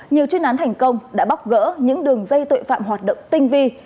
nhiều chuyên án thành công đã bóc gỡ những đường dây tội phạm hoạt động tinh vi